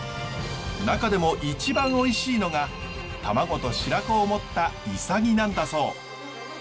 中でも一番おいしいのが卵と白子を持ったイサギなんだそう。